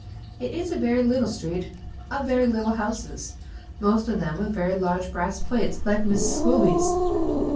It is a very little street, of very little houses, most of them with very large brass plates like Miss Squilsby's.